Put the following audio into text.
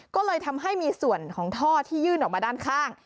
ก็เลยทำให้มีส่วนของท่อที่ยื่นออกมาด้านข้าง